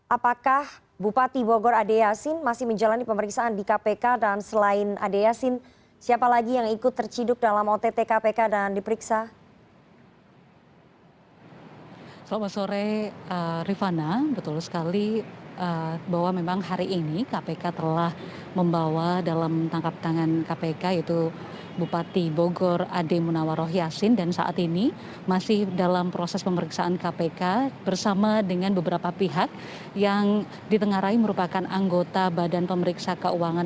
apakah bupati bogor adeyasin masih menjalani pemeriksaan di kpk dan selain adeyasin siapa lagi yang ikut terciduk dalam ott kpk dan diperiksa